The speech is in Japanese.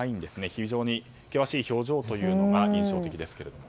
非常に険しい表情というのが印象的ですけども。